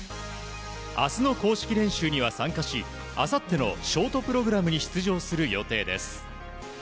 明日の公式練習には参加しあさってのショートプログラムに出場する予定です。